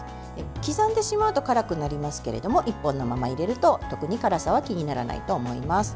刻んでしまうと辛くなりますけど１本のまま入れると特に辛さは気にならないと思います。